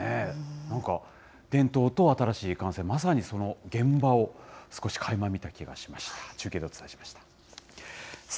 なんか、伝統と新しい感性、まさにその現場を少し垣間見た気がしました。